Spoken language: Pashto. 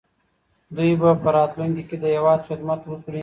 دوی به په راتلونکي کې د هېواد خدمت وکړي.